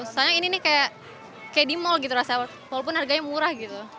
sebenarnya ini seperti di mal walaupun harganya murah